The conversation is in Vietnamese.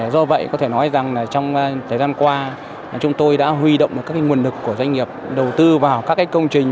do vậy có thể nói rằng trong thời gian qua chúng tôi đã huy động được các nguồn lực của doanh nghiệp đầu tư vào các công trình